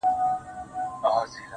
نه پنډت ووهلم، نه راهب فتواء ورکړه خو.